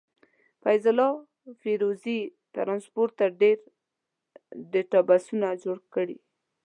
فيض الله فيروزي ټرانسپورټ ته ډير ډيټابسونه جوړ کړي.